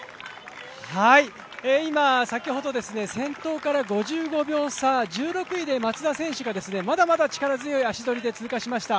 今、先ほど先頭から５５秒差１６位で松田選手がまだまだ力強い足取りで通過しました。